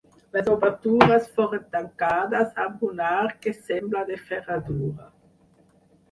Les obertures foren tancades amb un arc que sembla de ferradura.